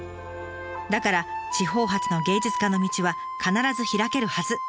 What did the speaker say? だから地方発の芸術家の道は必ず開けるはず。